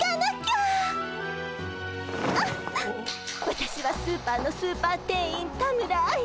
私はスーパーのスーパー店員田村愛。